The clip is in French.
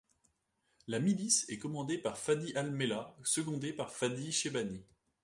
La milice est commandée par Fadi al-Mellah, secondé par Fadi Sheibani.